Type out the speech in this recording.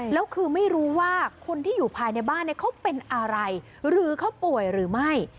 แล้วคือไม่รู้ว่าคนที่อยู่ภายในบ้านเขาเป็นอะไรหรือเขาป่วยหรือไม่